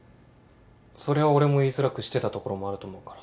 それは俺も言いづらくしてたところもあると思うから。